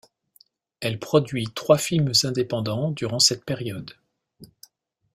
Elle produit trois films indépendants durant cette période.